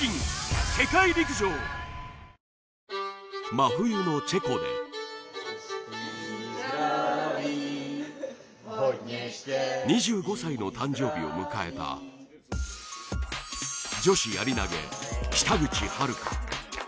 真冬のチェコで２５歳の誕生日を迎えた女子やり投北口榛花